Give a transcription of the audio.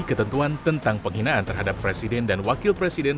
ketentuan tentang penghinaan terhadap presiden dan wakil presiden